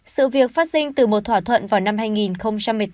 sự việc phát sinh từ một thỏa thuận vào năm hai nghìn một mươi tám